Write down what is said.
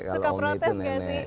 kalau omi itu nenek